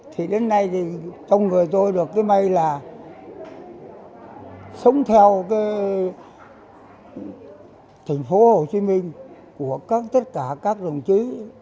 thì đến nay trong người tôi được cái may là sống theo thành phố hồ chí minh của tất cả các đồng chí